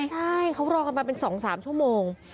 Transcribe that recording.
ใช่เขารอกันมาเป็น๒๓ชั่วโมง